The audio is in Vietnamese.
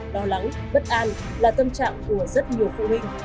lo lắng bất an là tâm trạng của rất nhiều phụ huynh